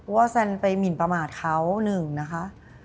ว่าแซนไปหมิ่นประมาทเขา๑นะคะ